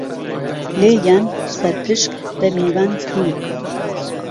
لێيان سهرپشک به میوان تو